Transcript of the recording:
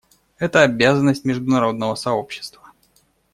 Это — обязанность международного сообщества.